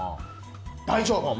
大丈夫と。